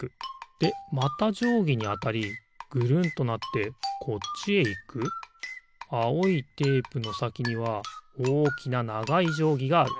でまたじょうぎにあたりぐるんとなってこっちへいくあおいテープのさきにはおおきなながいじょうぎがある。